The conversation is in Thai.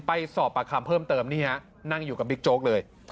ไปสอบปากคำเพิ่มเติมนี่ฮะนั่งอยู่กับบิ๊กโจ๊กเลย